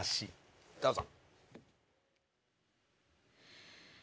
どうぞ。